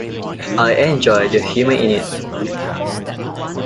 I enjoy the humor in it.